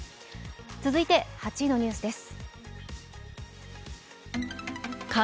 続いて８位のニュースです。